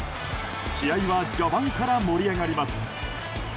試合は序盤から盛り上がります。